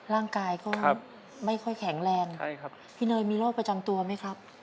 ร่างกายก็ไม่ค่อยแข็งแรงพี่เนยมีโรคประจำตัวไหมครับครับ